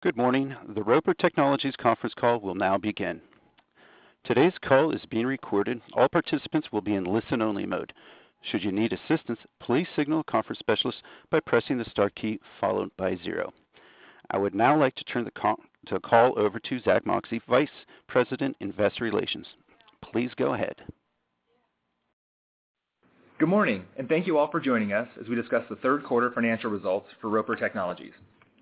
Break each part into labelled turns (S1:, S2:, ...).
S1: Good morning. The Roper Technologies conference call will now begin. Today's call is being recorded. All participants will be in listen-only mode. I would now like to turn the call over to Zack Moxcey, Vice President, Investor Relations. Please go ahead.
S2: Good morning, and thank you all for joining us as we discuss the third quarter financial results for Roper Technologies.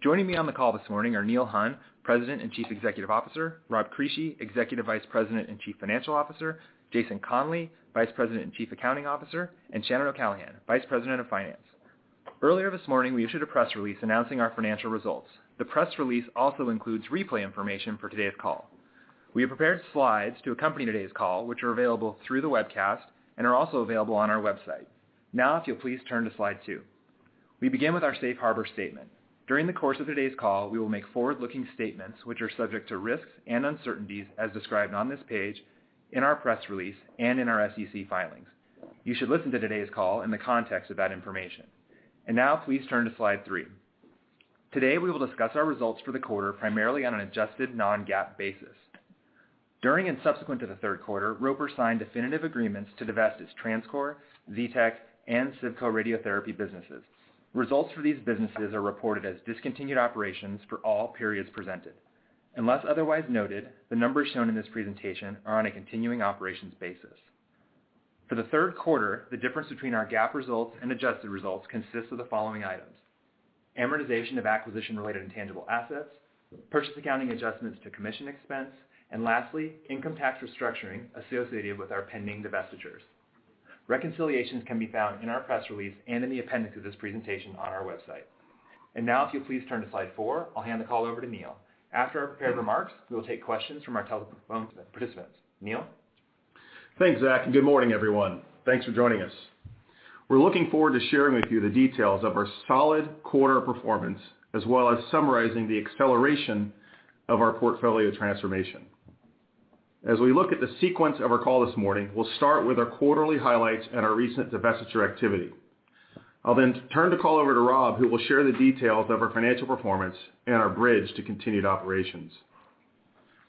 S2: Joining me on the call this morning are Neil Hunn, President and Chief Executive Officer, Rob Crisci, Executive Vice President and Chief Financial Officer, Jason Conley, Vice President and Chief Accounting Officer, and Shannon O'Callaghan, Vice President of Finance. Earlier this morning, we issued a press release announcing our financial results. The press release also includes replay information for today's call. We have prepared slides to accompany today's call, which are available through the webcast and are also available on our website. Now, if you'll please turn to slide two. We begin with our safe harbor statement. During the course of today's call, we will make forward-looking statements which are subject to risks and uncertainties as described on this page, in our press release, and in our SEC filings. You should listen to today's call in the context of that information. Now, please turn to slide three. Today, we will discuss our results for the quarter, primarily on an adjusted non-GAAP basis. During and subsequent to the third quarter, Roper signed definitive agreements to divest its TransCore, Zetec, and CIVCO Radiotherapy businesses. Results for these businesses are reported as discontinued operations for all periods presented. Unless otherwise noted, the numbers shown in this presentation are on a continuing operations basis. For the third quarter, the difference between our GAAP results and adjusted results consists of the following items. Amortization of acquisition-related intangible assets, purchase accounting adjustments to commission expense, and lastly, income tax restructuring associated with our pending divestitures. Reconciliations can be found in our press release and in the appendix of this presentation on our website. Now, if you'll please turn to slide four, I'll hand the call over to Neil. After our prepared remarks, we will take questions from our telephone participants. Neil?
S3: Thanks, Zack. Good morning, everyone. Thanks for joining us. We're looking forward to sharing with you the details of our solid quarter performance, as well as summarizing the acceleration of our portfolio transformation. As we look at the sequence of our call this morning, we'll start with our quarterly highlights and our recent divestiture activity. I'll turn the call over to Rob, who will share the details of our financial performance and our bridge to continued operations.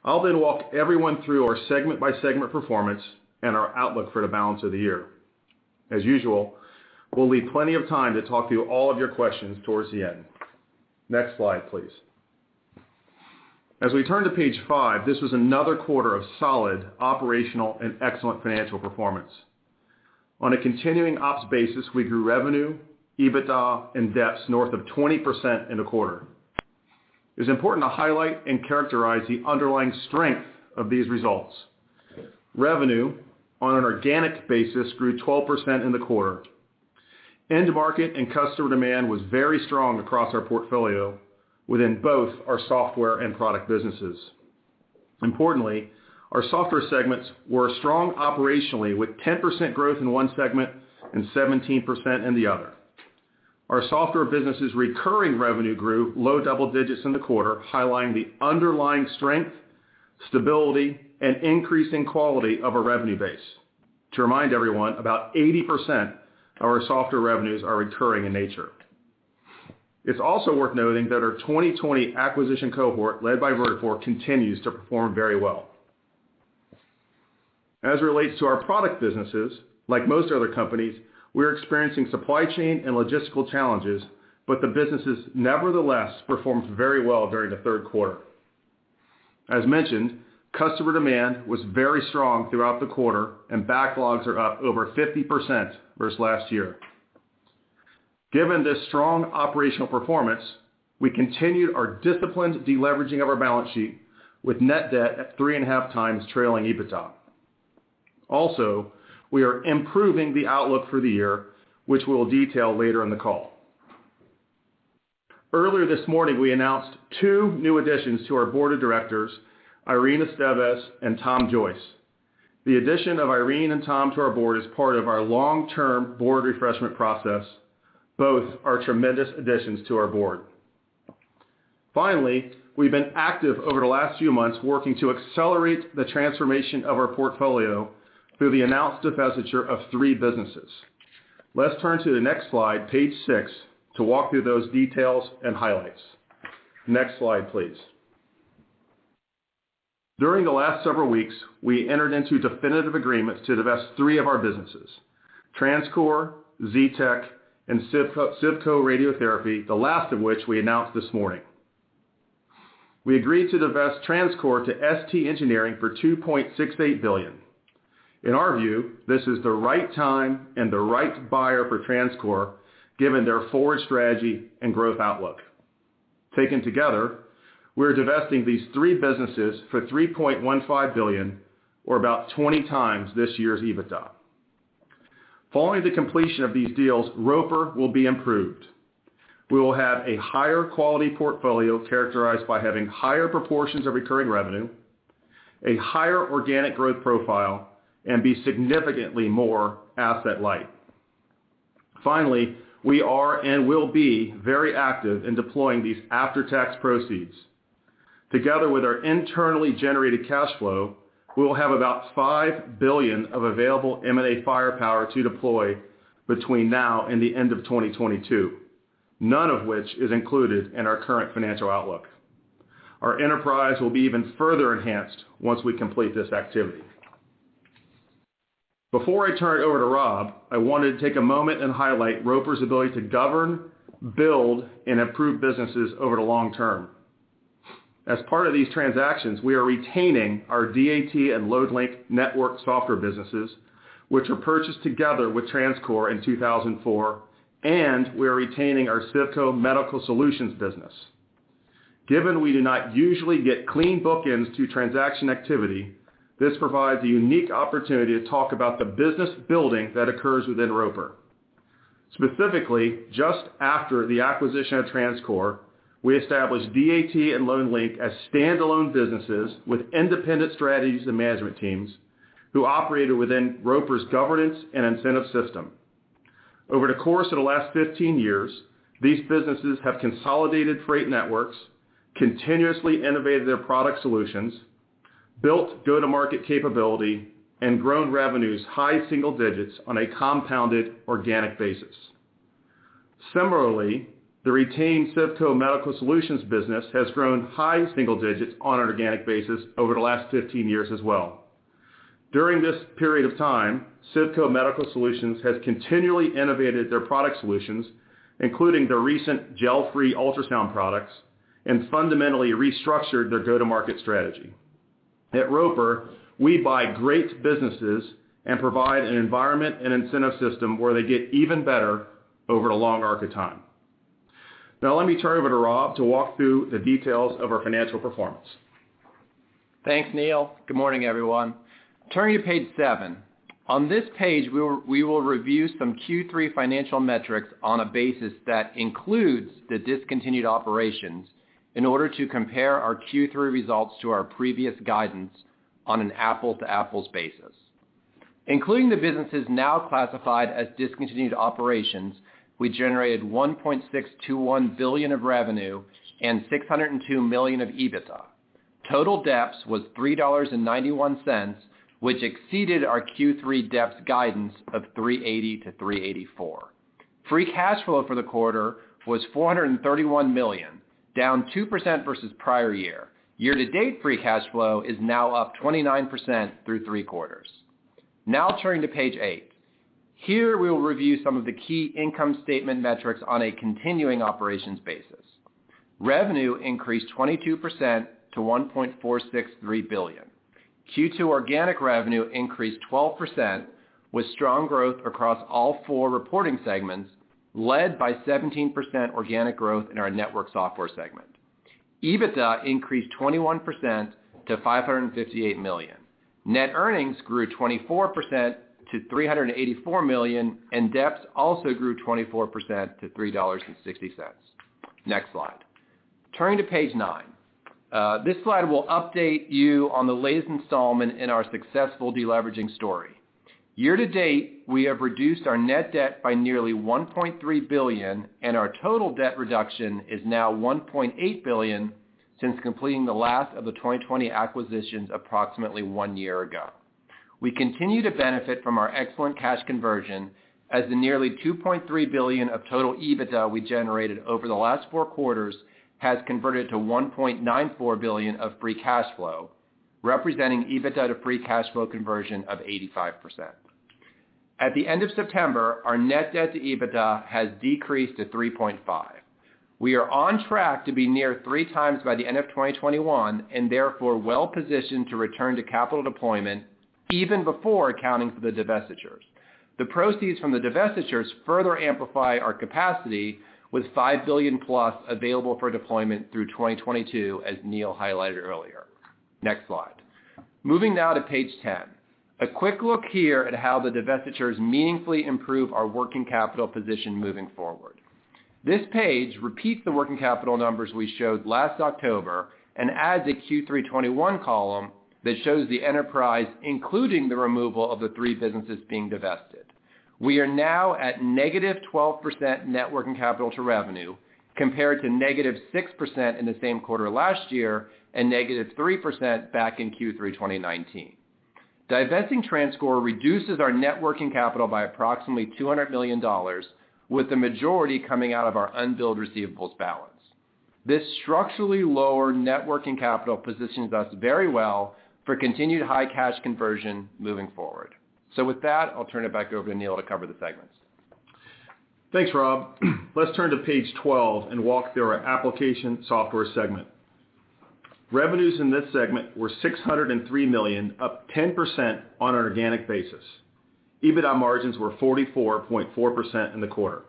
S3: I'll walk everyone through our segment-by-segment performance and our outlook for the balance of the year. As usual, we'll leave plenty of time to talk through all of your questions towards the end. Next slide, please. As we turn to page five, this was another quarter of solid operational and excellent financial performance. On a continuing ops basis, we grew revenue, EBITDA, and DEPS north of 20% in the quarter. It's important to highlight and characterize the underlying strength of these results. Revenue, on an organic basis, grew 12% in the quarter. End market and customer demand was very strong across our portfolio within both our software and product businesses. Importantly, our software segments were strong operationally, with 10% growth in one segment and 17% in the other. Our software business' recurring revenue grew low double digits in the quarter, highlighting the underlying strength, stability, and increasing quality of our revenue base. To remind everyone, about 80% of our software revenues are recurring in nature. It's also worth noting that our 2020 acquisition cohort, led by Vertafore, continues to perform very well. As it relates to our product businesses, like most other companies, we're experiencing supply chain and logistical challenges, but the businesses nevertheless performed very well during the third quarter. As mentioned, customer demand was very strong throughout the quarter, and backlogs are up over 50% versus last year. Given this strong operational performance, we continued our disciplined deleveraging of our balance sheet with net debt at 3.5x trailing EBITDA. We are improving the outlook for the year, which we'll detail later in the call. Earlier this morning, we announced two new additions to our board of directors, Irene Esteves and Tom Joyce. The addition of Irene and Tom to our board is part of our long-term board refreshment process. Both are tremendous additions to our board. We've been active over the last few months working to accelerate the transformation of our portfolio through the announced divestiture of three businesses. Let's turn to the next slide, page six, to walk through those details and highlights. Next slide, please. During the last several weeks, we entered into definitive agreements to divest three of our businesses, TransCore, Zetec, and CIVCO Radiotherapy, the last of which we announced this morning. We agreed to divest TransCore to ST Engineering for $2.68 billion. In our view, this is the right time and the right buyer for TransCore, given their forward strategy and growth outlook. Taken together, we're divesting these three businesses for $3.15 billion, or about 20x this year's EBITDA. Following the completion of these deals, Roper will be improved. We will have a higher quality portfolio characterized by having higher proportions of recurring revenue, a higher organic growth profile, and be significantly more asset light. Finally, we are and will be very active in deploying these after-tax proceeds. Together with our internally generated cash flow, we will have about $5 billion of available M&A firepower to deploy between now and the end of 2022, none of which is included in our current financial outlook. Our enterprise will be even further enhanced once we complete this activity. Before I turn it over to Rob, I wanted to take a moment and highlight Roper's ability to govern, build, and improve businesses over the long term. As part of these transactions, we are retaining our DAT and Loadlink network software businesses, which were purchased together with TransCore in 2004, and we are retaining our CIVCO Medical Solutions business. Given we do not usually get clean bookends to transaction activity, this provides a unique opportunity to talk about the business building that occurs within Roper. Specifically, just after the acquisition of TransCore, we established DAT and Loadlink as standalone businesses with independent strategies and management teams who operated within Roper's governance and incentive system. Over the course of the last 15 years, these businesses have consolidated freight networks, continuously innovated their product solutions, built go-to-market capability, and grown revenues high single digits on a compounded organic basis. Similarly, the retained CIVCO Medical Solutions business has grown high single digits on an organic basis over the last 15 years as well. During this period of time, CIVCO Medical Solutions has continually innovated their product solutions, including their recent gel-free ultrasound products, and fundamentally restructured their go-to-market strategy. At Roper, we buy great businesses and provide an environment and incentive system where they get even better over a long arc of time. Let me turn it over to Rob to walk through the details of our financial performance.
S4: Thanks, Neil. Good morning, everyone. Turning to page seven. On this page, we will review some Q3 financial metrics on a basis that includes the discontinued operations in order to compare our Q3 results to our previous guidance on an apples-to-apples basis. Including the businesses now classified as discontinued operations, we generated $1.621 billion of revenue and $602 million of EBITDA. Total DEPS was $3.91, which exceeded our Q3 DEPS guidance of $3.80-$3.84. Free cash flow for the quarter was $431 million, down 2% versus prior year. Year-to-date free cash flow is now up 29% through three quarters. Turning to page eight. Here we will review some of the key income statement metrics on a continuing operations basis. Revenue increased 22% to $1.463 billion. Q3 organic revenue increased 12% with strong growth across all four reporting segments, led by 17% organic growth in our network software segment. EBITDA increased 21% to $558 million. Net earnings grew 24% to $384 million, and DEPS also grew 24% to $3.60. Next slide. Turning to page nine. This slide will update you on the latest installment in our successful deleveraging story. Year to date, we have reduced our net debt by nearly $1.3 billion, and our total debt reduction is now $1.8 billion since completing the last of the 2020 acquisitions approximately one year ago. We continue to benefit from our excellent cash conversion, as the nearly $2.3 billion of total EBITDA we generated over the last four quarters has converted to $1.94 billion of free cash flow, representing EBITDA to free cash flow conversion of 85%. At the end of September, our net debt to EBITDA has decreased to 3.5. We are on track to be near 3x by the end of 2021, and therefore well-positioned to return to capital deployment even before accounting for the divestitures. The proceeds from the divestitures further amplify our capacity with $5 billion+ available for deployment through 2022, as Neil highlighted earlier. Next slide. Moving now to page 10. A quick look here at how the divestitures meaningfully improve our working capital position moving forward. This page repeats the working capital numbers we showed last October and adds a Q3 2021 column that shows the enterprise including the removal of the three businesses being divested. We are now at -12% net working capital to revenue, compared to -6% in the same quarter last year and -3% back in Q3 2019. Divesting TransCore reduces our net working capital by approximately $200 million, with the majority coming out of our unbilled receivables balance. This structurally lower net working capital positions us very well for continued high cash conversion moving forward. With that, I'll turn it back over to Neil to cover the segments.
S3: Thanks, Rob. Let's turn to page 12 and walk through our application software segment. Revenues in this segment were $603 million, up 10% on an organic basis. EBITDA margins were 44.4% in the quarter.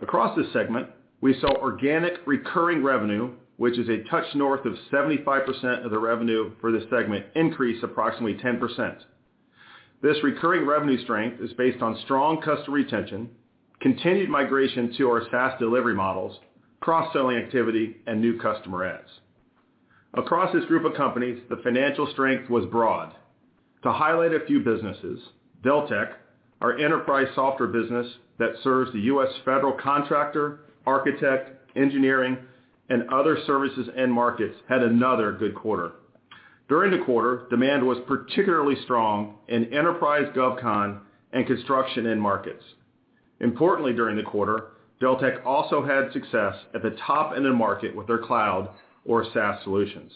S3: Across this segment, we saw organic recurring revenue, which is a touch north of 75% of the revenue for this segment, increase approximately 10%. This recurring revenue strength is based on strong customer retention, continued migration to our SaaS delivery models, cross-selling activity, and new customer adds. Across this group of companies, the financial strength was broad. To highlight a few businesses, Deltek, our enterprise software business that serves the U.S. federal contractor, architect, engineering, and other services end markets, had another good quarter. During the quarter, demand was particularly strong in enterprise GovCon and construction end markets. Importantly, during the quarter, Deltek also had success at the top end market with their cloud or SaaS solutions.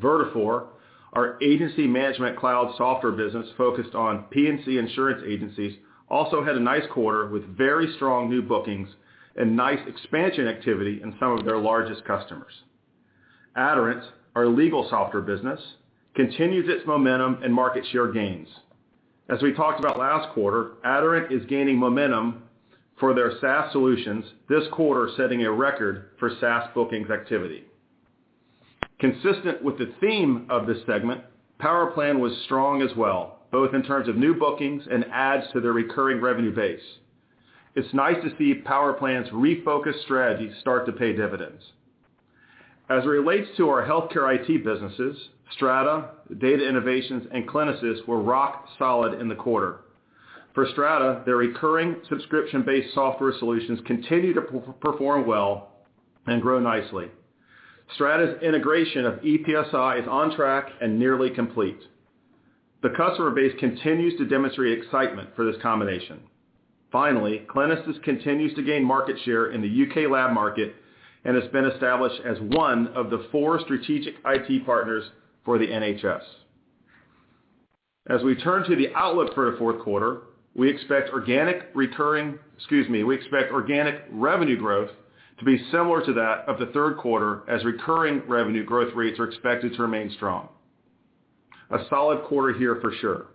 S3: Vertafore, our agency management cloud software business focused on P&C insurance agencies, also had a nice quarter with very strong new bookings and nice expansion activity in some of their largest customers. Aderant, our legal software business, continues its momentum and market share gains. As we talked about last quarter, Aderant is gaining momentum for their SaaS solutions, this quarter setting a record for SaaS bookings activity. Consistent with the theme of this segment, PowerPlan was strong as well, both in terms of new bookings and adds to their recurring revenue base. It's nice to see PowerPlan's refocused strategy start to pay dividends. As it relates to our healthcare IT businesses, Strata, Data Innovations, and Clinisys were rock solid in the quarter. For Strata, their recurring subscription-based software solutions continue to perform well and grow nicely. Strata's integration of EPSi is on track and nearly complete. The customer base continues to demonstrate excitement for this combination. Finally, Clinisys continues to gain market share in the U.K. lab market and has been established as one of the four strategic IT partners for the NHS. As we turn to the outlook for the fourth quarter, we expect organic revenue growth to be similar to that of the third quarter, as recurring revenue growth rates are expected to remain strong. A solid quarter here for sure.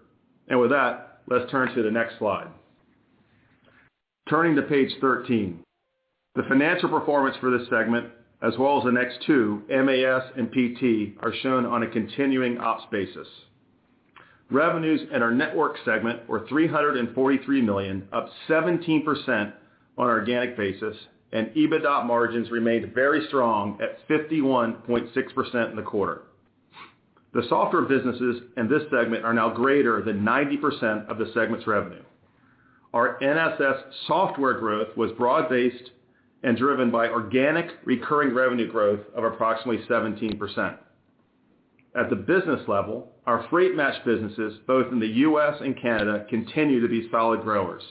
S3: With that, let's turn to the next slide. Turning to page 13. The financial performance for this segment, as well as the next two, MAS and PT, are shown on a continuing ops basis. Revenues in our network segment were $343 million, up 17% on an organic basis, and EBITDA margins remained very strong at 51.6% in the quarter. The software businesses in this segment are now greater than 90% of the segment's revenue. Our NSS software growth was broad-based and driven by organic recurring revenue growth of approximately 17%. At the business level, our Freight Match businesses, both in the U.S. and Canada, continue to be solid growers.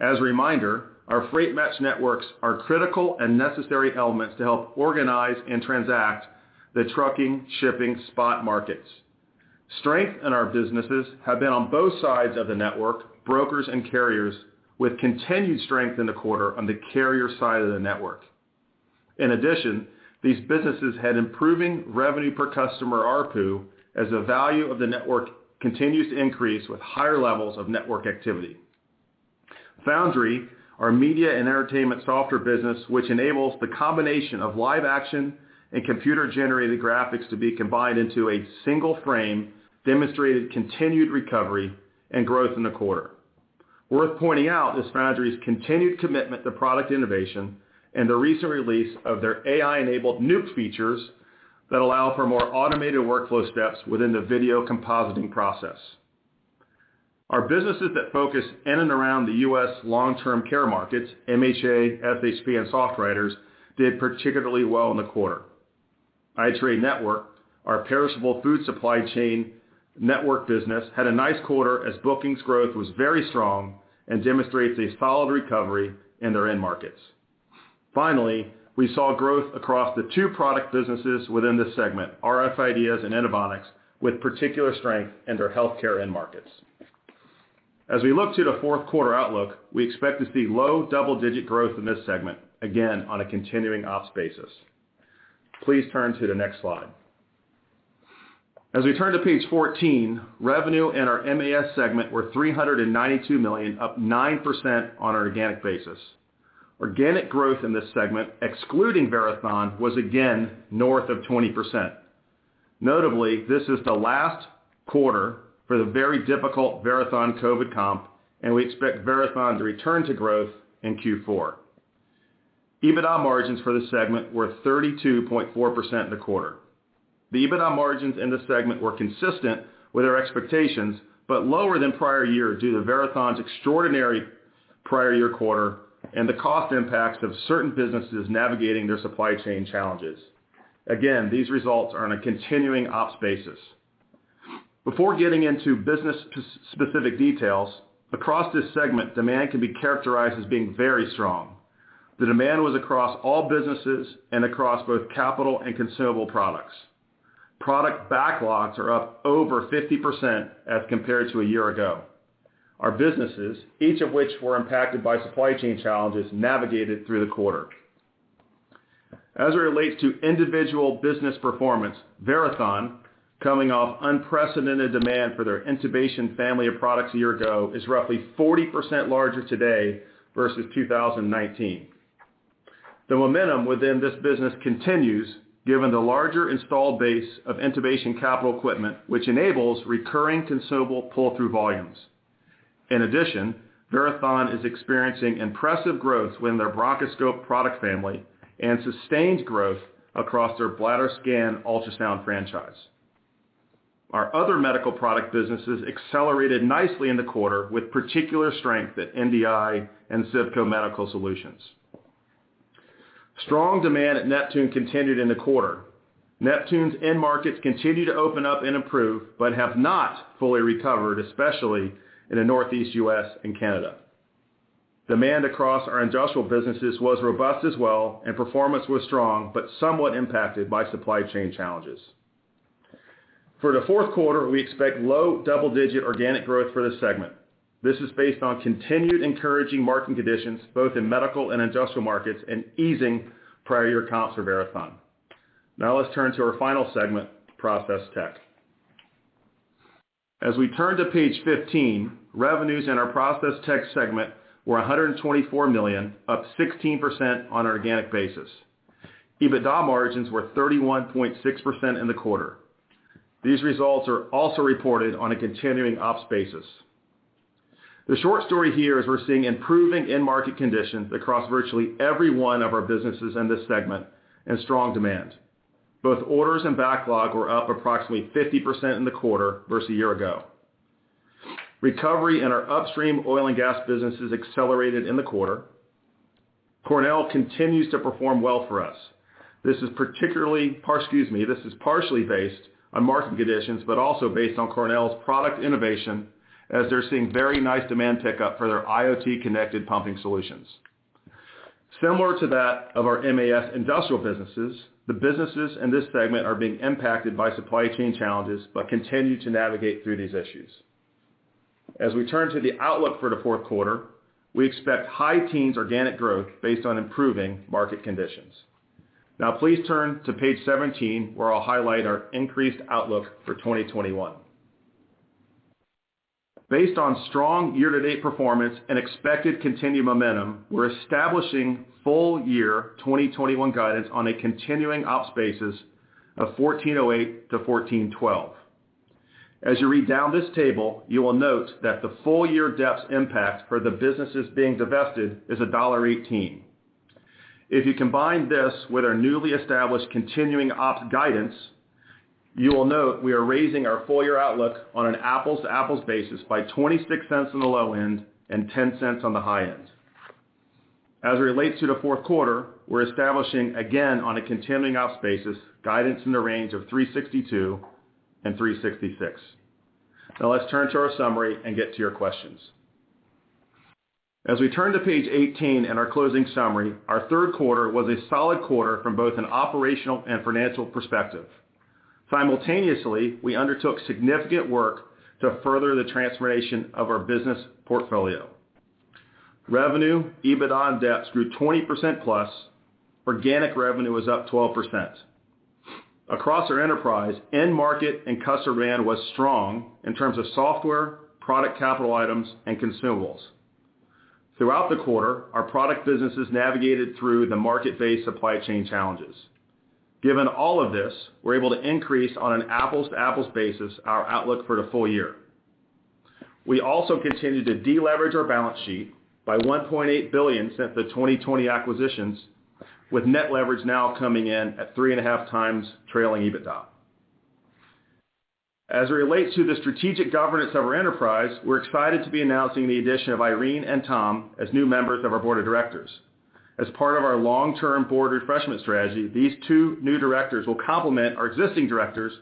S3: As a reminder, our Freight Match networks are critical and necessary elements to help organize and transact the trucking, shipping, spot markets. Strength in our businesses have been on both sides of the network, brokers and carriers, with continued strength in the quarter on the carrier side of the network. In addition, these businesses had improving revenue per customer ARPU as the value of the network continues to increase with higher levels of network activity. Foundry, our media and entertainment software business, which enables the combination of live action and computer-generated graphics to be combined into a single frame, demonstrated continued recovery and growth in the quarter. Worth pointing out is Foundry's continued commitment to product innovation and the recent release of their AI-enabled Nuke features that allow for more automated workflow steps within the video compositing process. Our businesses that focus in and around the U.S. long-term care markets, MHA, SHP, and SoftWriters, did particularly well in the quarter. iTradeNetwork, our perishable food supply chain network business, had a nice quarter as bookings growth was very strong and demonstrates a solid recovery in their end markets. Finally, we saw growth across the two product businesses within this segment, rf IDEAS and Inovonics, with particular strength in their healthcare end markets. As we look to the fourth quarter outlook, we expect to see low double-digit growth in this segment, again, on a continuing ops basis. Please turn to the next slide. We turn to page 14, revenue in our MAS segment were $392 million, up 9% on an organic basis. Organic growth in this segment, excluding Verathon, was again north of 20%. Notably, this is the last quarter for the very difficult Verathon COVID comp. We expect Verathon to return to growth in Q4. EBITDA margins for the segment were 32.4% in the quarter. The EBITDA margins in this segment were consistent with our expectations, lower than prior year due to Verathon's extraordinary prior year quarter and the cost impacts of certain businesses navigating their supply chain challenges. These results are on a continuing ops basis. Before getting into business-specific details, across this segment, demand can be characterized as being very strong. The demand was across all businesses and across both capital and consumable products. Product backlogs are up over 50% as compared to a year ago. Our businesses, each of which were impacted by supply chain challenges, navigated through the quarter. As it relates to individual business performance, Verathon, coming off unprecedented demand for their intubation family of products a year ago, is roughly 40% larger today versus 2019. The momentum within this business continues given the larger installed base of intubation capital equipment, which enables recurring consumable pull-through volumes. In addition, Verathon is experiencing impressive growth within their bronchoscope product family and sustained growth across their BladderScan ultrasound franchise. Our other medical product businesses accelerated nicely in the quarter, with particular strength at NDI and CIVCO Medical Solutions. Strong demand at Neptune continued in the quarter. Neptune's end markets continue to open up and improve, but have not fully recovered, especially in the Northeast U.S. and Canada. Demand across our industrial businesses was robust as well, and performance was strong, but somewhat impacted by supply chain challenges. For the fourth quarter, we expect low double-digit organic growth for this segment. This is based on continued encouraging market conditions, both in medical and industrial markets, and easing prior year comps for Verathon. Let's turn to our final segment, Process Tech. As we turn to page 15, revenues in our Process Tech segment were $124 million, up 16% on an organic basis. EBITDA margins were 31.6% in the quarter. These results are also reported on a continuing ops basis. The short story here is we're seeing improving end market conditions across virtually every one of our businesses in this segment, and strong demand. Both orders and backlog were up approximately 50% in the quarter versus a year ago. Recovery in our upstream oil and gas businesses accelerated in the quarter. Cornell continues to perform well for us. This is partially based on market conditions, but also based on Cornell's product innovation, as they're seeing very nice demand pickup for their IoT connected pumping solutions. Similar to that of our MAS industrial businesses, the businesses in this segment are being impacted by supply chain challenges but continue to navigate through these issues. As we turn to the outlook for the fourth quarter, we expect high teens organic growth based on improving market conditions. Now please turn to page 17, where I'll highlight our increased outlook for 2021. Based on strong year-to-date performance and expected continued momentum, we're establishing full year 2021 guidance on a continuing ops basis of $14.08-$14.12. As you read down this table, you will note that the full year DEPS impact for the businesses being divested is $1.18. If you combine this with our newly established continuing ops guidance, you will note we are raising our full year outlook on an apples-to-apples basis by $0.26 on the low end and $0.10 on the high end. As it relates to the fourth quarter, we're establishing, again, on a continuing ops basis, guidance in the range of $3.62-$3.66. Now let's turn to our summary and get to your questions. As we turn to page 18 and our closing summary, our third quarter was a solid quarter from both an operational and financial perspective. Simultaneously, we undertook significant work to further the transformation of our business portfolio. Revenue, EBITDA, and DEPS grew 20%+. Organic revenue was up 12%. Across our enterprise, end market and customer demand was strong in terms of software, product capital items, and consumables. Throughout the quarter, our product businesses navigated through the market-based supply chain challenges. Given all of this, we're able to increase, on an apples-to-apples basis, our outlook for the full year. We also continue to deleverage our balance sheet by $1.8 billion since the 2020 acquisitions, with net leverage now coming in at 3.5x trailing EBITDA. As it relates to the strategic governance of our enterprise, we're excited to be announcing the addition of Irene and Tom as new members of our board of directors. As part of our long-term board refreshment strategy, these two new directors will complement our existing directors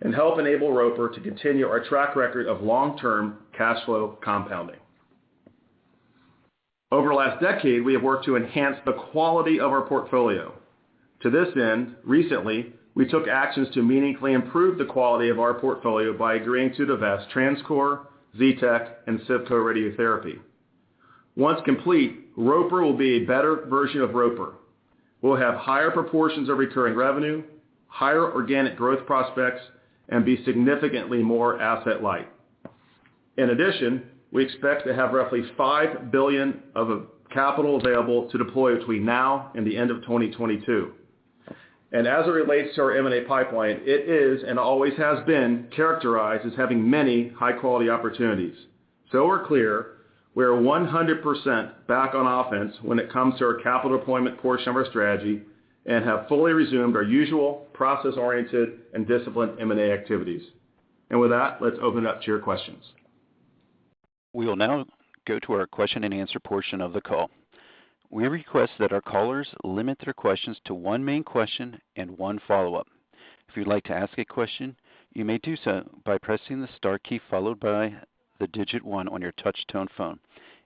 S3: and help enable Roper to continue our track record of long-term cash flow compounding. Over the last decade, we have worked to enhance the quality of our portfolio. To this end, recently, we took actions to meaningfully improve the quality of our portfolio by agreeing to divest TransCore, Zetec, and CIVCO Radiotherapy. Once complete, Roper will be a better version of Roper. We'll have higher proportions of recurring revenue, higher organic growth prospects, and be significantly more asset light. In addition, we expect to have roughly $5 billion of capital available to deploy between now and the end of 2022. As it relates to our M&A pipeline, it is, and always has been, characterized as having many high-quality opportunities. We're clear we are 100% back on offense when it comes to our capital deployment portion of our strategy and have fully resumed our usual process-oriented and disciplined M&A activities. With that, let's open it up to your questions.
S1: We will now go to our question-and-answer portion of the call. We request that our callers limit their questions to one main question and one follow-up. If you'd like to ask a question, you may do so by pressing the star key followed by the digit one on your touch-tone phone.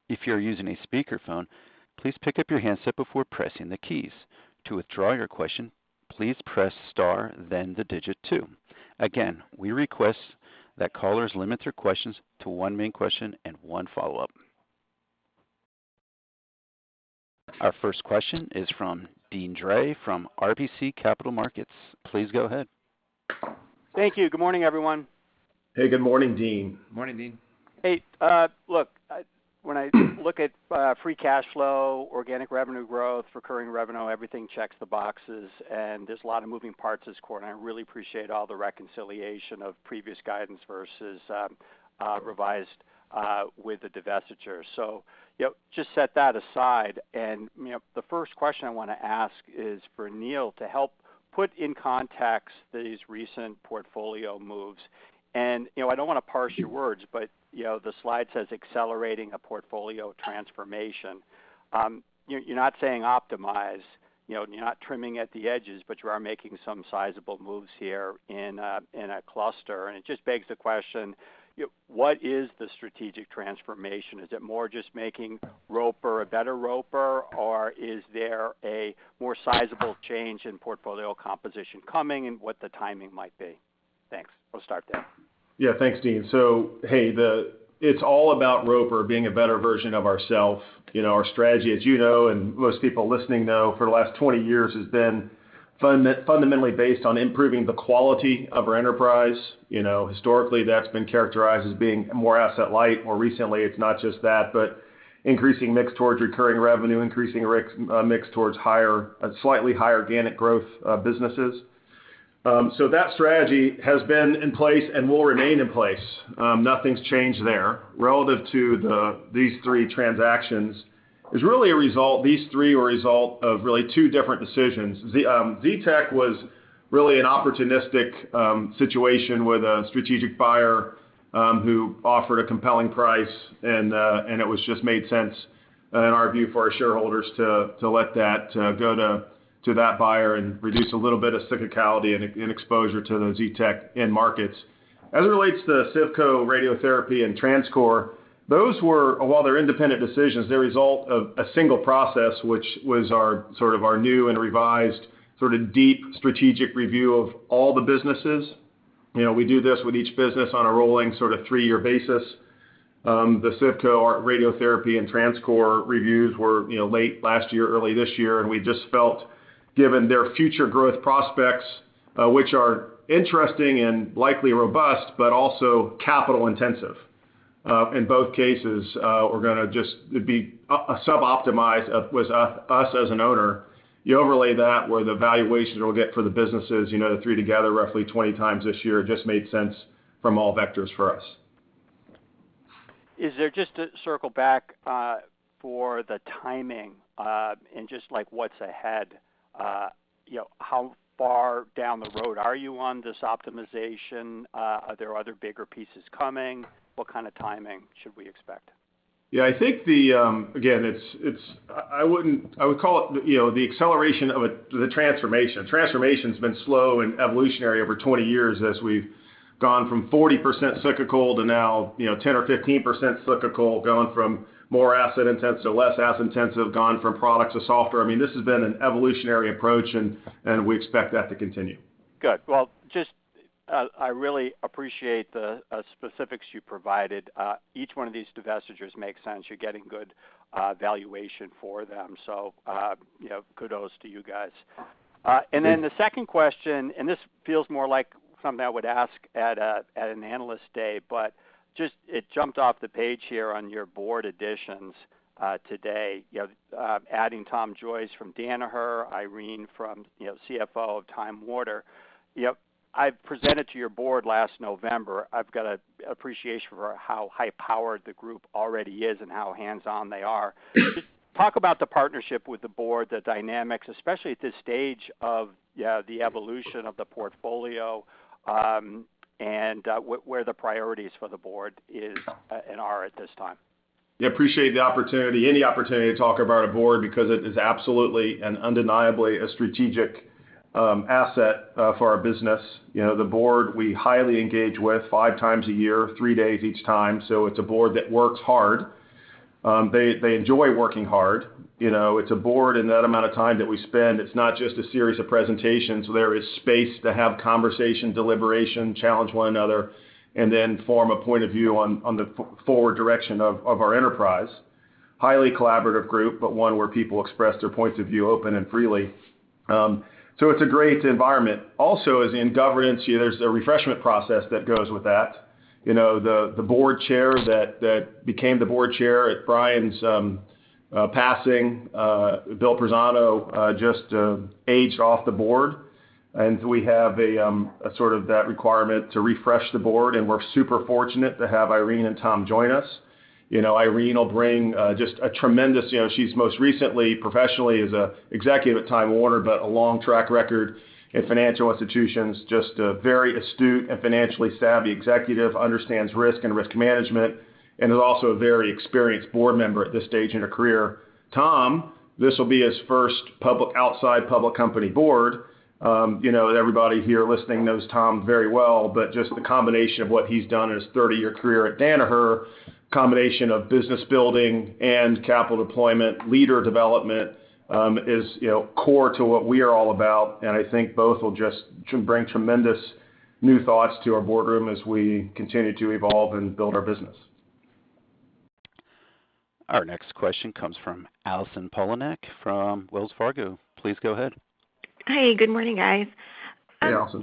S1: If you're using a speakerphone, please pick up your handset before pressing the keys. To withdraw your question, please press star then the digit two. Again, we request that callers limit their questions to one main question and one follow-up. Our first question is from Deane Dray from RBC Capital Markets. Please go ahead.
S5: Thank you. Good morning, everyone.
S3: Hey, good morning, Deane.
S2: Morning, Deane.
S5: Hey, look, when I look at free cash flow, organic revenue growth, recurring revenue, everything checks the boxes, and there's a lot of moving parts this quarter, and I really appreciate all the reconciliation of previous guidance versus revised with the divestiture. Yep, just set that aside. The first question I want to ask is for Neil to help put in context these recent portfolio moves. I don't want to parse your words, but the slide says accelerating a portfolio transformation. You're not saying optimize, you're not trimming at the edges, but you are making some sizable moves here in a cluster, and it just begs the question. What is the strategic transformation? Is it more just making Roper a better Roper, or is there a more sizable change in portfolio composition coming, and what the timing might be? Thanks. We'll start there.
S3: Yeah, thanks, Dean. Hey, it's all about Roper being a better version of ourselves. Our strategy, as you know, and most people listening know, for the last 20 years has been fundamentally based on improving the quality of our enterprise. Historically, that's been characterized as being more asset light. More recently, it's not just that, but increasing mix towards recurring revenue, increasing mix towards slightly higher organic growth businesses. That strategy has been in place and will remain in place. Nothing's changed there relative to these three transactions. These three were a result of really two different decisions. Zetec was really an opportunistic situation with a strategic buyer who offered a compelling price, and it just made sense in our view for our shareholders to let that go to that buyer and reduce a little bit of cyclicality and exposure to those Zetec end markets. As it relates to CIVCO Radiotherapy and TransCore, while they're independent decisions, they result of a single process, which was our sort of our new and revised sort of deep strategic review of all the businesses. We do this with each business on a rolling three-year basis. The CIVCO Radiotherapy and TransCore reviews were late last year, early this year. We just felt, given their future growth prospects, which are interesting and likely robust, but also capital intensive. In both cases, we're going to just be sub-optimized with us as an owner. You overlay that where the valuation will get for the businesses, the three together roughly 20 times this year, it just made sense from all vectors for us.
S5: Just to circle back for the timing, just like what's ahead, how far down the road are you on this optimization? Are there other bigger pieces coming? What kind of timing should we expect?
S3: Yeah, I think, again, I would call it the acceleration of the transformation. Transformation's been slow and evolutionary over 20 years as we've gone from 40% cyclical to now 10% or 15% cyclical, gone from more asset-intensive to less asset-intensive, gone from products to software. This has been an evolutionary approach, and we expect that to continue.
S5: Good. Well, I really appreciate the specifics you provided. Each one of these divestitures makes sense. You're getting good valuation for them. Kudos to you guys. The second question, this feels more like something I would ask at an analyst day, it jumped off the page here on your board additions today, adding Tom Joyce from Danaher, Irene from CFO of Time Warner. I presented to your board last November. I've got an appreciation for how high powered the group already is and how hands-on they are. Talk about the partnership with the board, the dynamics, especially at this stage of the evolution of the portfolio, and where the priorities for the board is and are at this time.
S3: Yeah. Appreciate the opportunity, any opportunity to talk about our board because it is absolutely and undeniably a strategic asset for our business. The board, we highly engage with five times a year, three days each time. It's a board that works hard. They enjoy working hard. It's a board in that amount of time that we spend, it's not just a series of presentations. There is space to have conversation, deliberation, challenge one another, and then form a point of view on the forward direction of our enterprise. Highly collaborative group, but one where people express their points of view open and freely. It's a great environment. Also, as in governance, there's a refreshment process that goes with that. The board chair that became the board chair at Brian's passing, Wilbur Prezzano, just aged off the board, and so we have a sort of that requirement to refresh the board, and we're super fortunate to have Irene and Tom join us. Irene will bring just a tremendous, she's most recently professionally is a executive at Time Warner, but a long track record in financial institutions, just a very astute and financially savvy executive, understands risk and risk management, and is also a very experienced board member at this stage in her career. Tom, this will be his first outside public company board. Everybody here listening knows Tom very well, but just the combination of what he's done in his 30-year career at Danaher, combination of business building and capital deployment, leader development, is core to what we are all about. I think both will just bring tremendous new thoughts to our boardroom as we continue to evolve and build our business.
S1: Our next question comes from Allison Poliniak from Wells Fargo. Please go ahead.
S6: Hey, good morning, guys.
S3: Hey, Allison.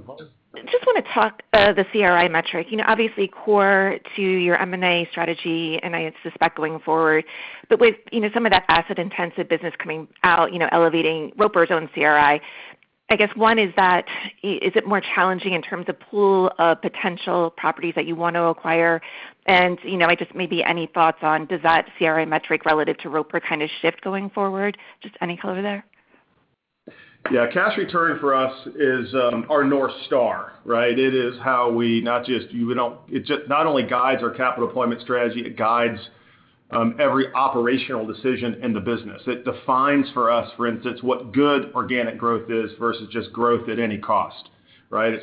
S6: Just want to talk the CRI metric. Obviously core to your M&A strategy, and I suspect going forward, but with some of that asset intensive business coming out, elevating Roper's own CRI, I guess one is that, is it more challenging in terms of pool of potential properties that you want to acquire? Just maybe any thoughts on does that CRI metric relative to Roper kind of shift going forward? Just any color there?
S3: Yeah. Cash return for us is our North Star, right? It not only guides our capital deployment strategy, it guides every operational decision in the business. It defines for us, for instance, what good organic growth is versus just growth at any cost. Right?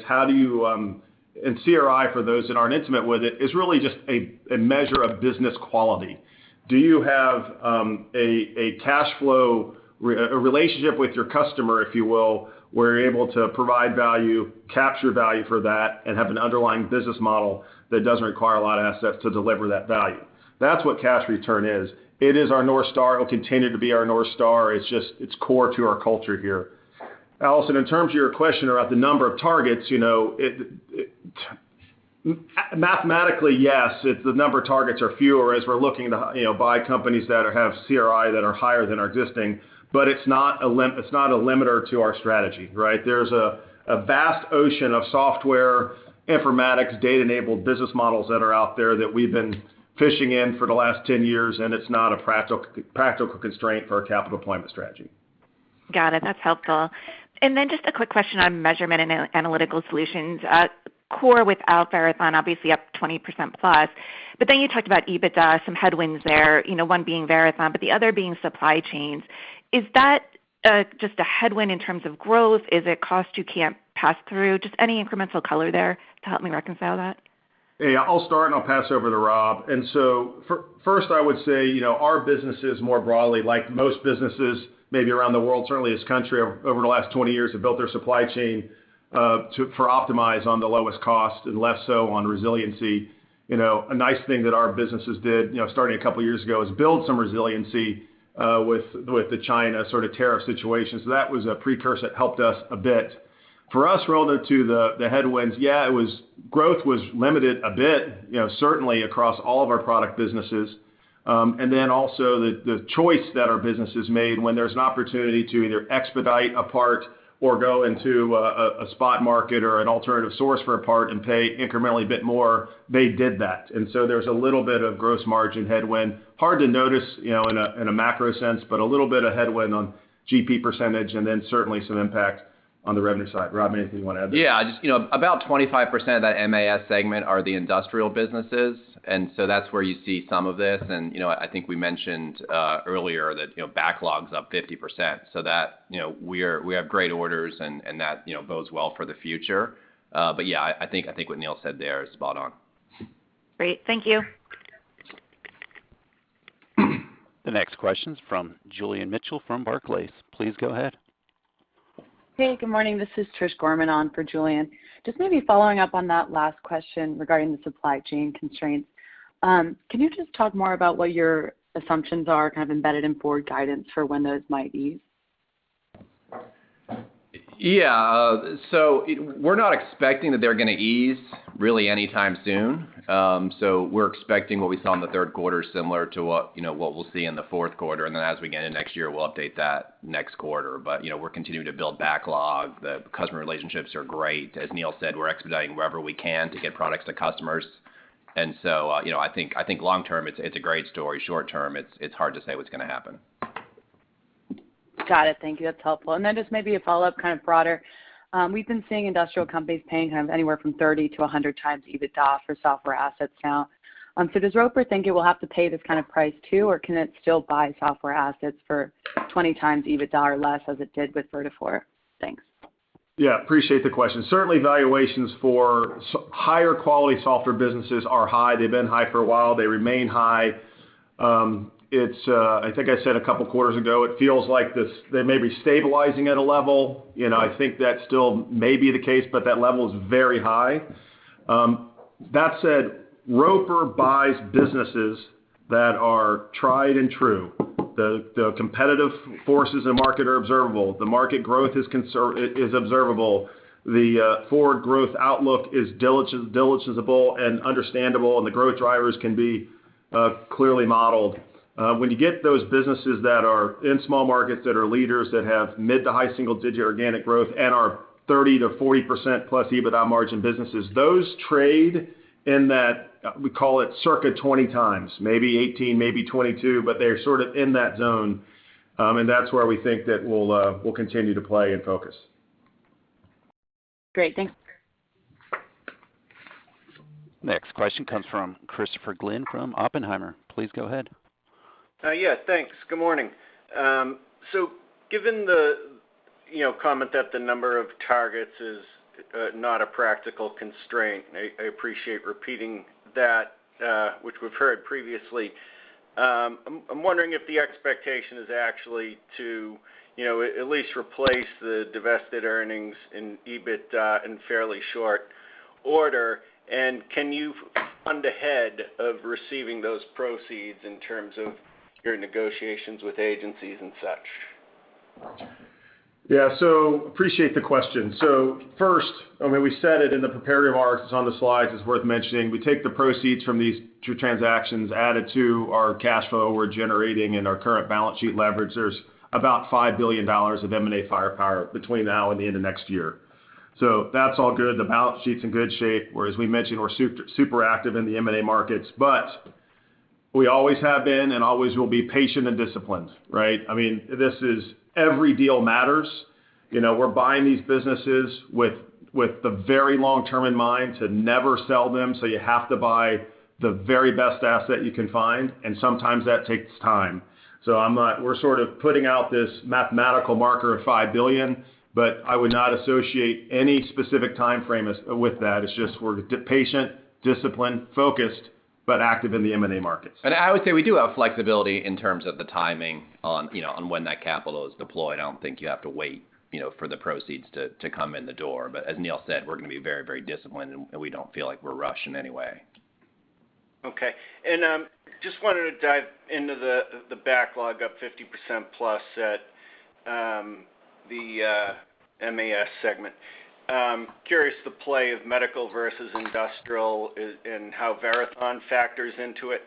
S3: CRI, for those that aren't intimate with it, is really just a measure of business quality. Do you have a cash flow, a relationship with your customer, if you will, where you're able to provide value, capture value for that, and have an underlying business model that doesn't require a lot of assets to deliver that value? That's what cash return is. It is our North Star. It'll continue to be our North Star. It's core to our culture here. Allison, in terms of your question about the number of targets, mathematically, yes, the number of targets are fewer as we're looking to buy companies that have CRI that are higher than our existing, but it's not a limiter to our strategy, right? There's a vast ocean of software, informatics, data enabled business models that are out there that we've been fishing in for the last 10 years, and it's not a practical constraint for our capital deployment strategy.
S6: Got it. That's helpful. Just a quick question on measurement and analytical solutions. Core without Verathon, obviously up 20%+, but then you talked about EBITDA, some headwinds there, one being Verathon, but the other being supply chains. Is that just a headwind in terms of growth? Is it cost you can't pass through? Just any incremental color there to help me reconcile that?
S3: Yeah. I'll start, and I'll pass over to Rob. First I would say, our businesses more broadly, like most businesses maybe around the world, certainly this country over the last 20 years, have built their supply chain for optimize on the lowest cost and less so on resiliency. A nice thing that our businesses did starting a couple of years ago is build some resiliency with the China sort of tariff situation. That was a precursor. It helped us a bit. For us, relative to the headwinds, yeah, growth was limited a bit, certainly across all of our product businesses. Also the choice that our businesses made when there's an opportunity to either expedite a part or go into a spot market or an alternative source for a part and pay incrementally a bit more, they did that. There's a little bit of gross margin headwind. Hard to notice in a macro sense, but a little bit of headwind on GP percentage and then certainly some impact on the revenue side. Rob, anything you want to add there?
S4: Yeah. About 25% of that MAS segment are the industrial businesses, and so that's where you see some of this. I think we mentioned earlier that backlog's up 50%, so that we have great orders, and that bodes well for the future. Yeah, I think what Neil said there is spot on.
S6: Great. Thank you.
S1: The next question's from Julian Mitchell from Barclays. Please go ahead.
S7: Hey, good morning. This is Trish Gorman on for Julian. Just maybe following up on that last question regarding the supply chain constraints. Can you just talk more about what your assumptions are kind of embedded in board guidance for when those might ease?
S4: Yeah. We're not expecting that they're going to ease really anytime soon. We're expecting what we saw in the third quarter similar to what we'll see in the fourth quarter, and then as we get into next year, we'll update that next quarter. We're continuing to build backlog. The customer relationships are great. As Neil said, we're expediting wherever we can to get products to customers. I think long-term, it's a great story. Short-term, it's hard to say what's going to happen.
S7: Got it. Thank you. That's helpful. Then just maybe a follow-up, kind of broader. We've been seeing industrial companies paying anywhere from 30x-100x EBITDA for software assets now. Does Roper think it will have to pay this kind of price too, or can it still buy software assets for 20x EBITDA or less as it did with Vertafore? Thanks.
S3: Yeah, appreciate the question. Certainly valuations for higher quality software businesses are high. They've been high for a while. They remain high. I think I said a couple of quarters ago, it feels like they may be stabilizing at a level. I think that still may be the case, but that level is very high. That said, Roper buys businesses that are tried and true. The competitive forces in market are observable. The market growth is observable. The forward growth outlook is diligenceable and understandable, and the growth drivers can be clearly modeled. When you get those businesses that are in small markets, that are leaders, that have mid to high single-digit organic growth and are 30%-40%+ EBITDA margin businesses, those trade in that, we call it circa 20 times, maybe 18, maybe 22, but they're sort of in that zone. That's where we think that we'll continue to play and focus.
S7: Great. Thanks.
S1: Next question comes from Chris Glynn from Oppenheimer. Please go ahead.
S8: Yeah, thanks. Good morning. Given the comment that the number of targets is not a practical constraint, I appreciate repeating that which we've heard previously. I'm wondering if the expectation is actually to at least replace the divested earnings in EBITDA in fairly short order, can you fund ahead of receiving those proceeds in terms of your negotiations with agencies and such?
S3: Yeah. Appreciate the question. First, we said it in the prepared remarks, it's on the slides, it's worth mentioning, we take the proceeds from these two transactions, add it to our cash flow we're generating and our current balance sheet leverage. There's about $5 billion of M&A firepower between now and the end of next year. That's all good. The balance sheet's in good shape, as we mentioned, we're super active in the M&A markets, but we always have been and always will be patient and disciplined. Right? Every deal matters. We're buying these businesses with the very long term in mind to never sell them, so you have to buy the very best asset you can find, and sometimes that takes time. We're sort of putting out this mathematical marker of $5 billion, but I would not associate any specific timeframe with that. It's just we're patient, disciplined, focused, but active in the M&A markets.
S4: I would say we do have flexibility in terms of the timing on when that capital is deployed. I don't think you have to wait for the proceeds to come in the door. As Neil said, we're going to be very disciplined, and we don't feel like we're rushed in any way.
S8: Okay. I just wanted to dive into the backlog, up 50%+ at the MAS segment. Curious the play of medical versus industrial and how Verathon factors into it.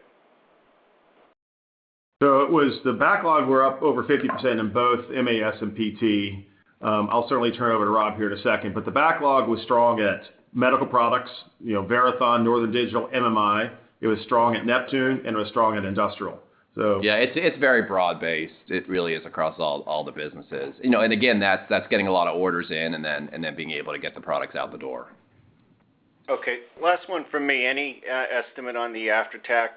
S3: It was the backlog were up over 50% in both MAS and PT. I'll certainly turn it over to Rob here in a second, but the backlog was strong at medical products, Verathon, Northern Digital, NDI. It was strong at Neptune, and it was strong at industrial.
S4: Yeah. It's very broad-based. It really is across all the businesses. Again, that's getting a lot of orders in and then being able to get the products out the door.
S8: Okay. Last one from me. Any estimate on the after-tax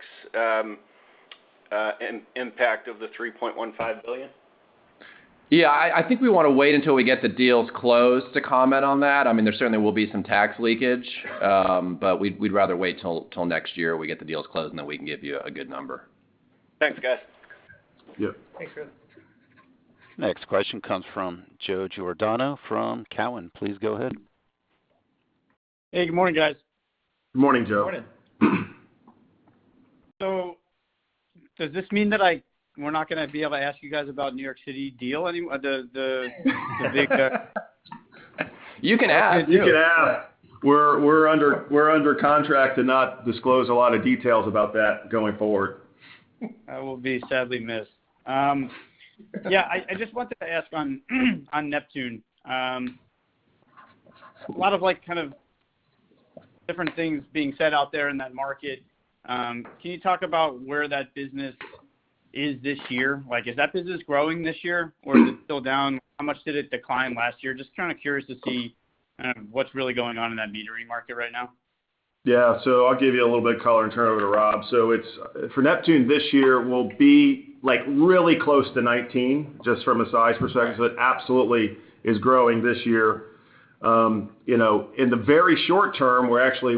S8: impact of the $3.15 billion?
S4: Yeah, I think we want to wait until we get the deals closed to comment on that. There certainly will be some tax leakage, but we'd rather wait till next year, we get the deals closed, and then we can give you a good number.
S8: Thanks, guys.
S3: Yep.
S9: Thanks, Chris.
S1: Next question comes from Joe Giordano from Cowen. Please go ahead.
S10: Hey, good morning, guys.
S3: Good morning, Joe.
S4: Morning.
S10: Does this mean that we're not going to be able to ask you guys about New York City deal?
S4: You can ask.
S3: You can ask. We're under contract to not disclose a lot of details about that going forward.
S10: I will be sadly missed. I just wanted to ask on Neptune. A lot of different things being said out there in that market. Can you talk about where that business is this year? Is that business growing this year, or is it still down? How much did it decline last year? Just kind of curious to see what's really going on in that metering market right now.
S3: Yeah. I'll give you a little bit of color and turn it over to Rob. For Neptune this year will be really close to 2019 just from a size perspective. It absolutely is growing this year. In the very short term,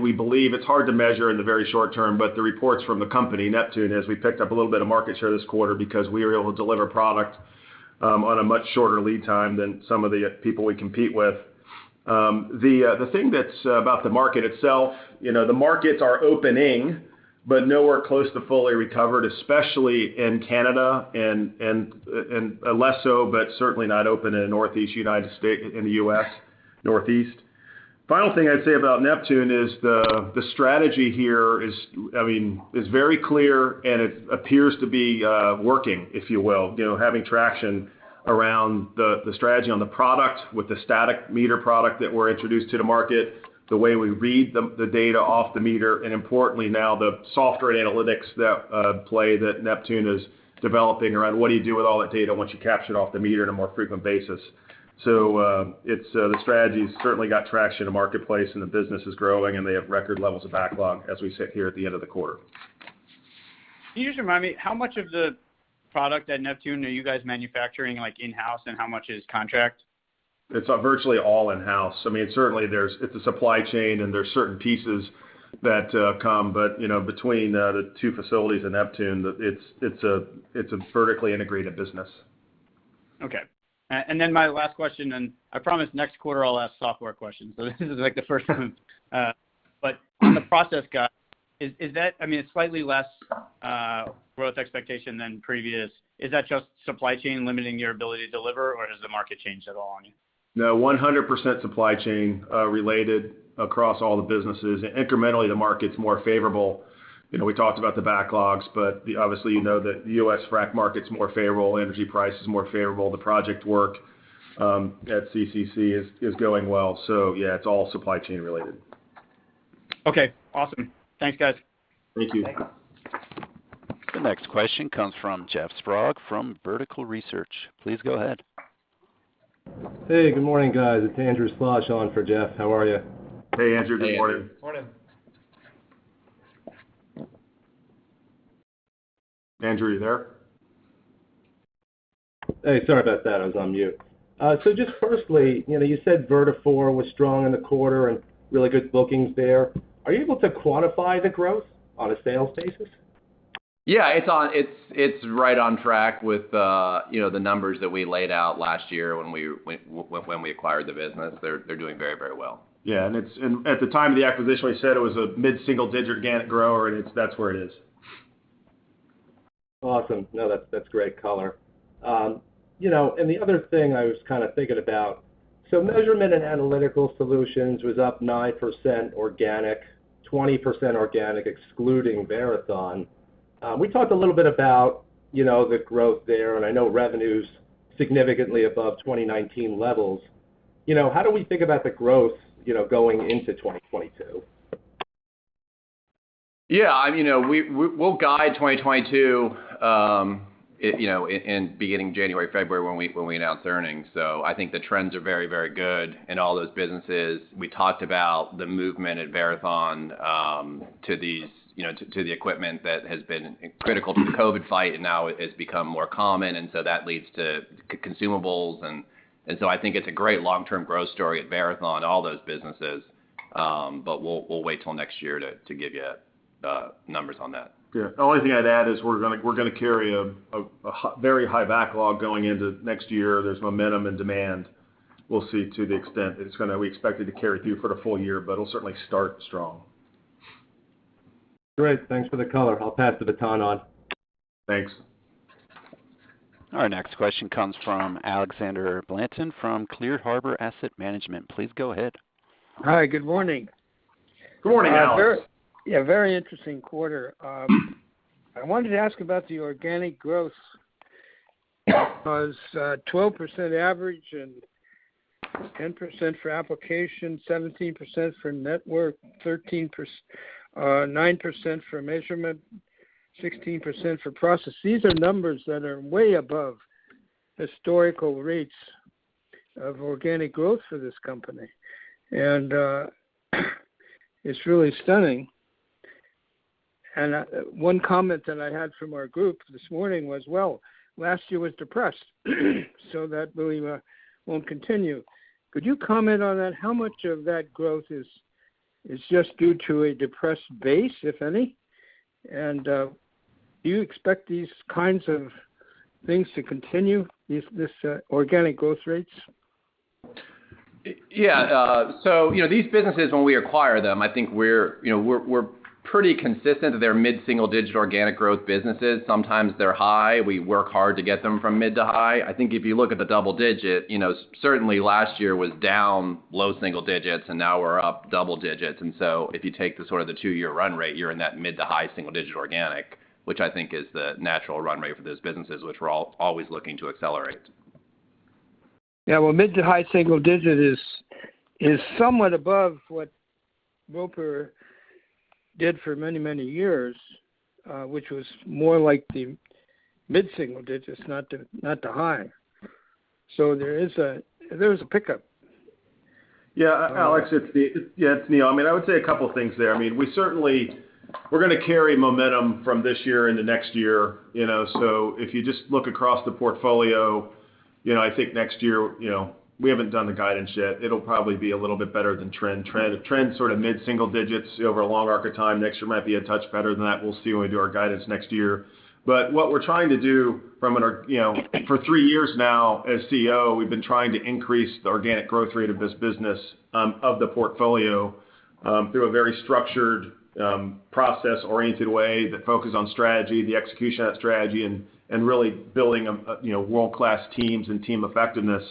S3: we believe it's hard to measure in the very short term, but the reports from the company, Neptune, is we picked up a little bit of market share this quarter because we were able to deliver product on a much shorter lead time than some of the people we compete with. The thing that's about the market itself. The markets are opening but nowhere close to fully recovered, especially in Canada and less so, but certainly not open in Northeast U.S., in the U.S. Northeast. Final thing I'd say about Neptune is the strategy here is very clear and it appears to be working, if you will. Having traction around the strategy on the product with the static meter product that were introduced to the market. The way we read the data off the meter, and importantly now, the software and analytics at play that Neptune is developing around what do you do with all that data once you capture it off the meter on a more frequent basis. The strategy's certainly got traction in the marketplace, and the business is growing, and they have record levels of backlog as we sit here at the end of the quarter.
S10: Can you just remind me how much of the product at Neptune are you guys manufacturing in-house, and how much is contract?
S3: It's virtually all in-house. Certainly, it's a supply chain, and there's certain pieces that come. Between the two facilities in Neptune, it's a vertically integrated business.
S10: Okay. My last question, I promise next quarter I'll ask software questions, this is the first one. On the Process guide, it's slightly less growth expectation than previous. Is that just supply chain limiting your ability to deliver, or has the market changed at all on you?
S3: No, 100% supply chain related across all the businesses. Incrementally, the market's more favorable. We talked about the backlogs, but obviously you know that the U.S. frac market's more favorable, energy price is more favorable. The project work at CCC is going well. Yeah, it's all supply chain related.
S10: Okay, awesome. Thanks, guys.
S3: Thank you.
S4: Thanks.
S1: The next question comes from Jeff Sprague from Vertical Research. Please go ahead.
S11: Hey, good morning, guys. It's Andrew Shlosh, on for Jeff. How are you?
S3: Hey, Andrew. Good morning.
S4: Hey.
S9: Morning.
S3: Andrew, are you there?
S11: Hey, sorry about that. I was on mute. Just firstly, you said Vertafore was strong in the quarter and really good bookings there. Are you able to quantify the growth on a sales basis?
S4: Yeah. It's right on track with the numbers that we laid out last year when we acquired the business. They're doing very well.
S3: Yeah. At the time of the acquisition, we said it was a mid-single digit organic grower, and that's where it is.
S11: Awesome. No, that's great color. The other thing I was kind of thinking about, Measurement and Analytical Solutions was up 9% organic, 20% organic excluding Verathon. We talked a little bit about the growth there, I know revenue's significantly above 2019 levels. How do we think about the growth going into 2022?
S4: Yeah. We'll guide 2022 in beginning January, February, when we announce earnings. I think the trends are very good in all those businesses. We talked about the movement at Verathon to the equipment that has been critical to the COVID fight, and now it has become more common. That leads to consumables. I think it's a great long-term growth story at Verathon, all those businesses. We'll wait till next year to give you numbers on that.
S3: Yeah. The only thing I'd add is we're going to carry a very high backlog going into next year. There's momentum and demand. We'll see to the extent we expect it to carry through for the full year. It'll certainly start strong.
S11: Great. Thanks for the color. I'll pass the baton.
S3: Thanks.
S1: Our next question comes from Alexander Blanton from Clear Harbor Asset Management. Please go ahead.
S12: Hi. Good morning.
S3: Good morning, Alex.
S12: Yeah, very interesting quarter. I wanted to ask about the organic growth. It was 12% average, 10% for application, 17% for network, 9% for measurement, 16% for process. These are numbers that are way above historical rates of organic growth for this company, it's really stunning. One comment that I had from our group this morning was, well, last year was depressed, so that really won't continue. Could you comment on that? How much of that growth is just due to a depressed base, if any? Do you expect these kinds of things to continue, these organic growth rates?
S4: Yeah. These businesses, when we acquire them, I think we're pretty consistent. They're mid-single digit organic growth businesses. Sometimes they're high. We work hard to get them from mid to high. I think if you look at the double digit, certainly last year was down low single digits, and now we're up double digits. If you take the sort of the two-year run rate, you're in that mid to high single digit organic, which I think is the natural run rate for those businesses, which we're all always looking to accelerate.
S12: Yeah. Well, mid to high single digit is somewhat above what Roper did for many years, which was more like the mid-single digits, not the high. There was a pickup.
S3: Yeah. Alex, it's Neil. I would say a couple things there. We're going to carry momentum from this year into next year. If you just look across the portfolio, I think next year, we haven't done the guidance yet. It'll probably be a little bit better than trend. Trend's sort of mid-single digits over a long arc of time. Next year might be a touch better than that. We'll see when we do our guidance next year. What we're trying to do for three years now as CEO, we've been trying to increase the organic growth rate of this business, of the portfolio, through a very structured, process-oriented way that focuses on strategy, the execution of that strategy, and really building world-class teams and team effectiveness.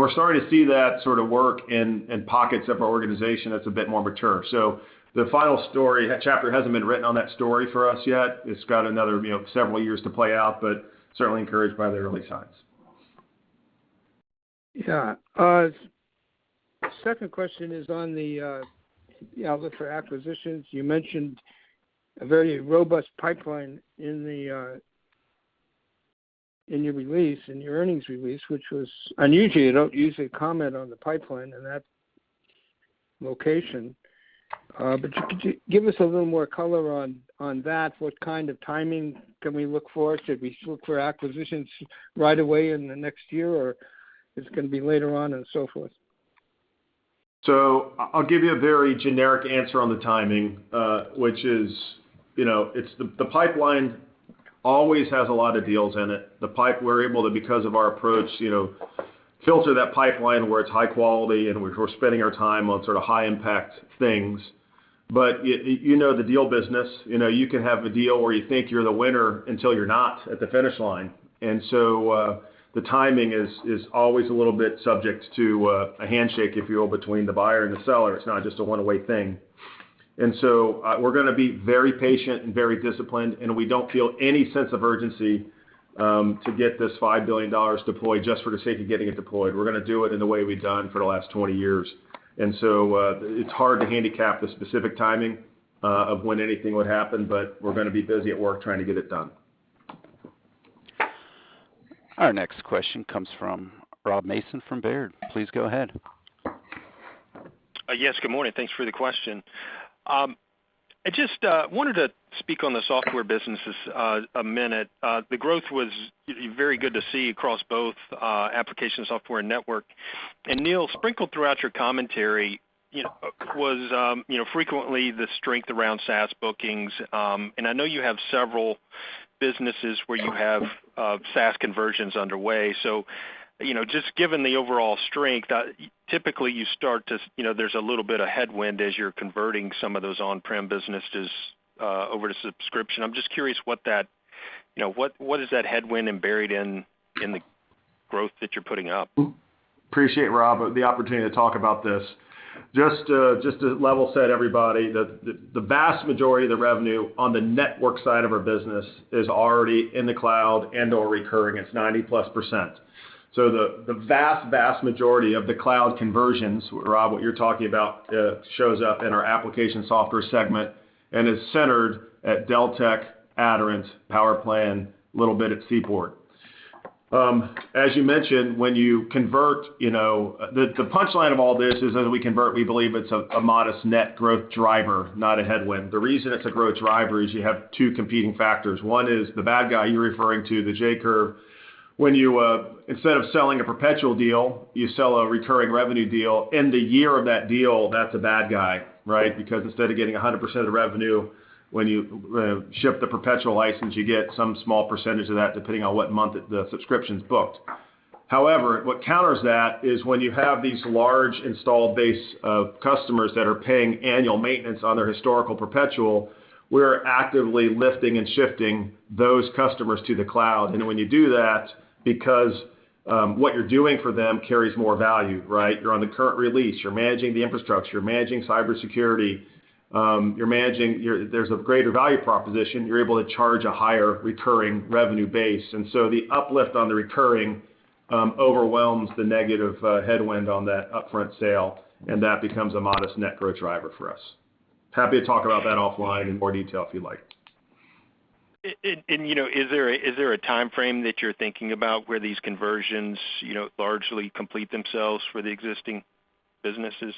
S3: We're starting to see that sort of work in pockets of our organization that's a bit more mature. The final story, that chapter hasn't been written on that story for us yet. It's got another several years to play out, but certainly encouraged by the early signs.
S12: Yeah. Second question is on the outlook for acquisitions. You mentioned a very robust pipeline in your earnings release, which was unusual. You don't usually comment on the pipeline in that location. Could you give us a little more color on that? What kind of timing can we look for? Should we look for acquisitions right away in the next year, or it's going to be later on and so forth?
S3: I'll give you a very generic answer on the timing, which is the pipeline always has a lot of deals in it. We're able to, because of our approach, filter that pipeline where it's high quality, and we're spending our time on sort of high impact things. You know the deal business. You can have a deal where you think you're the winner until you're not at the finish line. The timing is always a little bit subject to a handshake, if you will, between the buyer and the seller. It's not just a one-way thing. We're going to be very patient and very disciplined, and we don't feel any sense of urgency to get this $5 billion deployed just for the sake of getting it deployed. We're going to do it in the way we've done for the last 20 years. It's hard to handicap the specific timing of when anything would happen, but we're going to be busy at work trying to get it done.
S1: Our next question comes from Rob Mason from Baird. Please go ahead.
S13: Yes, good morning. Thanks for the question. I just wanted to speak on the software businesses 1 minute. The growth was very good to see across both application software and network. Neil, sprinkled throughout your commentary was frequently the strength around SaaS bookings. I know you have several businesses where you have SaaS conversions underway. Just given the overall strength, typically there's a little bit of headwind as you're converting some of those on-prem businesses over to subscription. I'm just curious, what is that headwind in buried in the growth that you're putting up?
S3: Appreciate, Rob, the opportunity to talk about this. Just to level set everybody, the vast majority of the revenue on the network side of our business is already in the cloud and/or recurring. It's 90%+. The vast majority of the cloud conversions, Rob, what you're talking about shows up in our application software segment and is centered at Deltek, Aderant, PowerPlan, little bit at CBORD. As you mentioned, the punchline of all this is as we convert, we believe it's a modest net growth driver, not a headwind. The reason it's a growth driver is you have two competing factors. One is the bad guy you're referring to, the J curve. When instead of selling a perpetual deal, you sell a recurring revenue deal, in the year of that deal, that's a bad guy, right? Instead of getting 100% of the revenue when you ship the perpetual license, you get some small percentage of that, depending on what month the subscription's booked. What counters that is when you have these large installed base of customers that are paying annual maintenance on their historical perpetual, we're actively lifting and shifting those customers to the cloud. When you do that, because what you're doing for them carries more value, right? You're on the current release, you're managing the infrastructure, you're managing cybersecurity. There's a greater value proposition. You're able to charge a higher recurring revenue base. The uplift on the recurring overwhelms the negative headwind on that upfront sale, and that becomes a modest net growth driver for us. Happy to talk about that offline in more detail if you'd like.
S13: Is there a timeframe that you're thinking about where these conversions largely complete themselves for the existing businesses?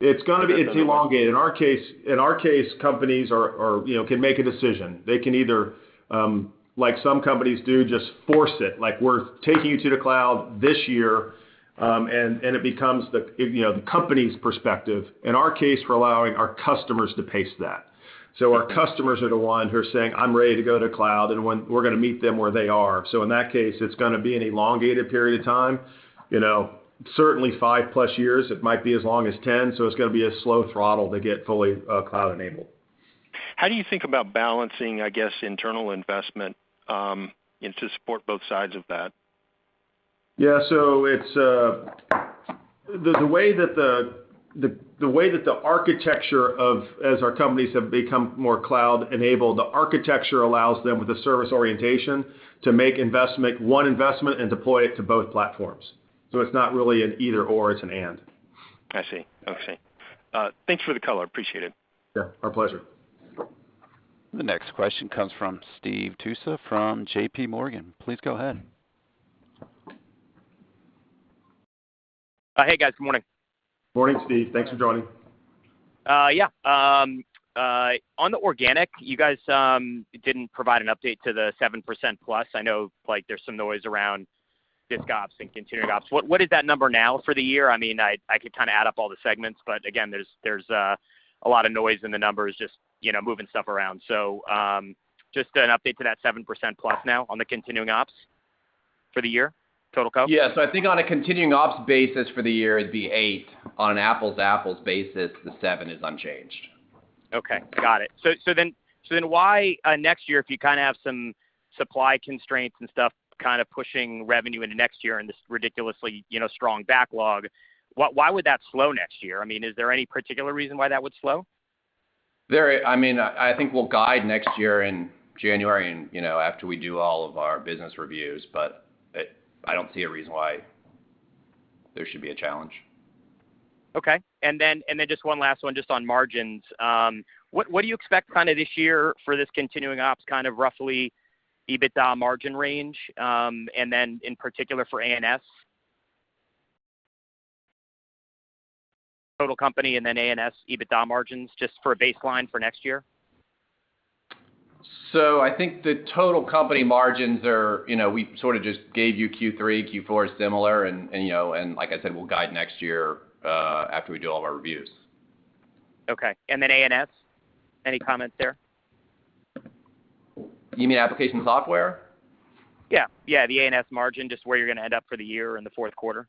S3: It's elongated. In our case, companies can make a decision. They can either, like some companies do, just force it. Like we're taking you to the cloud this year, and it becomes the company's perspective. In our case, we're allowing our customers to pace that. Our customers are the ones who are saying, I'm ready to go to the cloud, and we're going to meet them where they are. In that case, it's going to be an elongated period of time. Certainly, 5 years+. It might be as long as 10. It's going to be a slow throttle to get fully cloud-enabled.
S13: How do you think about balancing, I guess, internal investment to support both sides of that?
S3: Yeah, the way that the architecture of, as our companies have become more cloud-enabled, the architecture allows them with a service orientation to make one investment and deploy it to both platforms. It's not really an either/or, it's an and.
S13: I see. Okay. Thanks for the color. Appreciate it.
S3: Yeah, our pleasure.
S1: The next question comes from Steve Tusa from JPMorgan. Please go ahead.
S14: Hey, guys. Good morning.
S3: Morning, Steve. Thanks for joining.
S14: Yeah. On the organic, you guys didn't provide an update to the 7%+. I know there's some noise around disc ops and continuing ops. What is that number now for the year? I could add up all the segments, again, there's a lot of noise in the numbers, just moving stuff around. Just an update to that 7%+ now on the continuing ops for the year, total co.
S4: Yeah. I think on a continuing ops basis for the year, it'd be $8. On an apples-to-apples basis, the $7 is unchanged.
S14: Okay. Got it. Why next year, if you have some supply constraints and stuff pushing revenue into next year in this ridiculously strong backlog, why would that slow next year? Is there any particular reason why that would slow?
S4: I think we'll guide next year in January and after we do all of our business reviews, but I don't see a reason why there should be a challenge.
S14: Okay. Just one last one just on margins. What do you expect this year for this continuing ops, roughly EBITDA margin range? In particular for ANS? Total company and then ANS EBITDA margins, just for a baseline for next year.
S4: I think the total company margins are, we sort of just gave you Q3. Q4 is similar, and like I said, we'll guide next year after we do all of our reviews.
S14: Okay. ANS? Any comment there?
S4: You mean application software?
S14: Yeah. The ANS margin, just where you're going to end up for the year in the fourth quarter.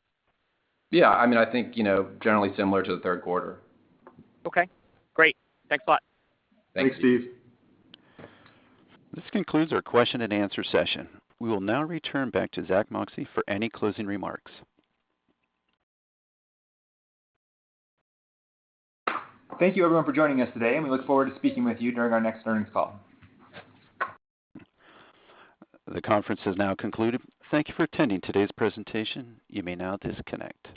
S4: Yeah. I think generally similar to the third quarter.
S14: Okay, great. Thanks a lot.
S4: Thanks, Steve.
S1: This concludes our question-and-answer session. We will now return back to Zack Moxcey for any closing remarks.
S2: Thank you everyone for joining us today, and we look forward to speaking with you during our next earnings call.
S1: The conference has now concluded. Thank you for attending today's presentation. You may now disconnect.